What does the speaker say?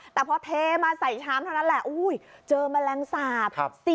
แต่พอเทมาใส่ชามเท่านั้นแหละเจอแมลงสาป